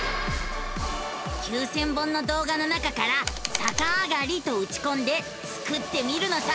９，０００本の動画の中から「さかあがり」とうちこんでスクってみるのさ！